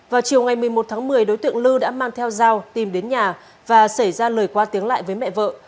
vào chiều ngày một mươi một tháng một mươi đối tượng lư đã mang theo dao tìm đến nhà và xảy ra lời qua tiếng lại với mẹ vợ